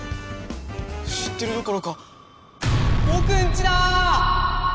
知ってるどころかぼくんちだぁ！